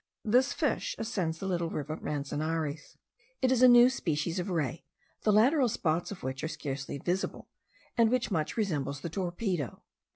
This fish ascends the little river Manzanares. It is a new species of ray, the lateral spots of which are scarcely visible, and which much resembles the torpedo.